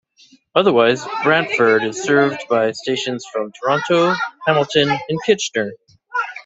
Otherwise, Brantford is served by stations from Toronto, Hamilton and Kitchener.